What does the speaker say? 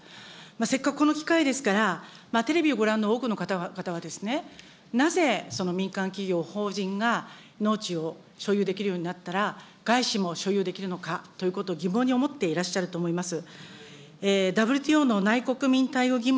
せっかく、この機会ですから、テレビをご覧の多くの方はですね、なぜ民間企業、法人が農地を所有できるようになったら、外資も所有できるのかということを疑問に思っていらっしゃると思います。